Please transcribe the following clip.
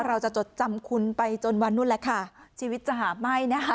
จดจำคุณไปจนวันนู้นแหละค่ะชีวิตจะหาไหม้นะคะ